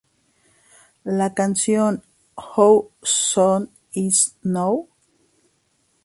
La canción "How Soon Is Now?